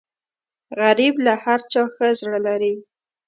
غریب له هر چا ښه زړه لري